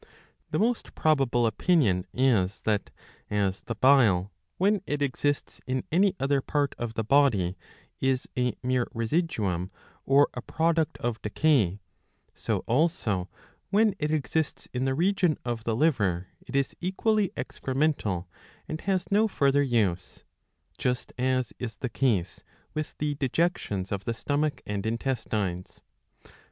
'^ The most probable opinion is that, as 'the bile when it exists in any other part of the body is a mere residuum or a product of decay, so also when it exists in the region of the liver it is equally excremental and has no further use ; jtist as is the case with 'the dejections of the stomach and intestines.